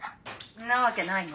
んなわけないの？